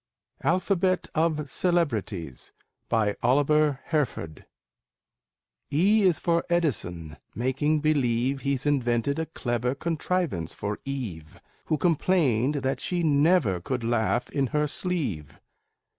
ALPHABET OF CELEBRITIES BY OLIVER HERFORD E is for Edison, making believe He's invented a clever contrivance for Eve, Who complained that she never could laugh in her sleeve.